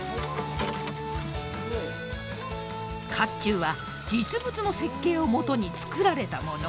甲冑は実物の設計をもとに作られたもの。